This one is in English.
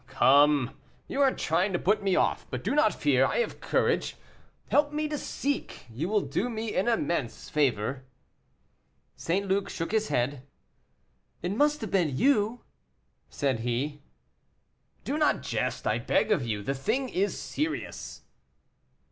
"Come! you are trying to put me off; but do not fear, I have courage. Help me to seek, you will do me an immense favor." St. Luc shook his head. "It must have been you," said he. "Do not jest, I beg of you; the thing is serious."